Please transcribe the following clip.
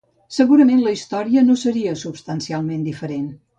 Segurament, la història no seria substancialment diferent.